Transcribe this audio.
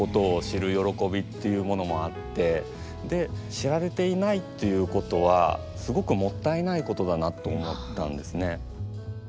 知られていないということはすごくもったいないことだなと思ったんですね。